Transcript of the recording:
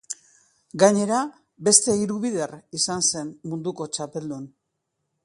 Gainera, beste hiru bider izan zen munduko txapeldun.